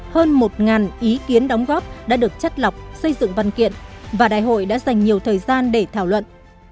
hơn một ý kiến đóng góp đã được chất lọc xây dựng văn kiện và đại hội đã dành nhiều thời gian để thảo luận